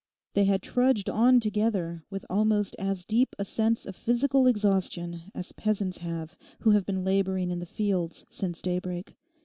They had trudged on together with almost as deep a sense of physical exhaustion as peasants have who have been labouring in the fields since daybreak.